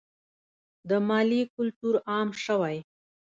د مالیې کلتور عام شوی؟